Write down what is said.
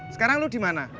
sekarang lu dimana